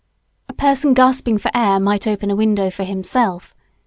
A person gasping for air might open a window for himself.